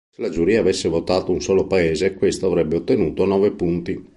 Se la giuria avesse votato un solo paese, questo avrebbe ottenuto nove punti.